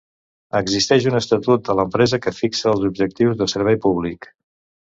Existeix un estatut de l'empresa que fixa els objectius de servei públic.